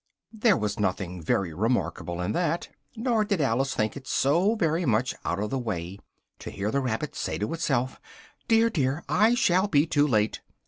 There was nothing very remarkable in that, nor did Alice think it so very much out of the way to hear the rabbit say to itself "dear, dear! I shall be too late!"